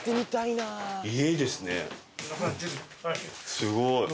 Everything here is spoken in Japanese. すごい。